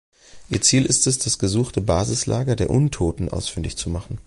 Ihr Ziel ist es, das gesuchte Basislager der Untoten ausfindig zu machen.